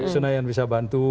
senayan bisa bantu